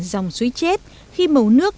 dòng suối chết khi màu nước